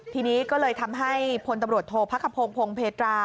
ทีนี้ก็เลยทำให้พลตำรวจโทษพระขพงศ์พงเพตรา